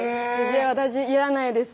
「私いらないです